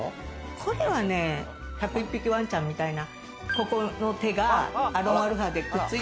これはね『１０１匹わんちゃん』みたいな。